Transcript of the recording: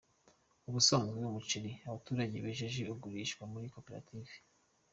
Ubusanzwe umuceri abaturage bejeje ugurishirizwa muri koperative.